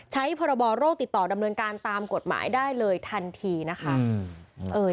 พรบโรคติดต่อดำเนินการตามกฎหมายได้เลยทันทีนะคะ